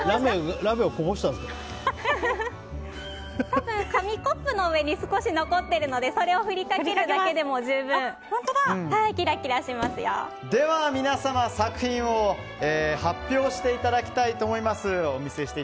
多分、紙コップの上に少し残っているのでそれを振りかけるだけでもでは皆様、作品を発表していただきたいと思います。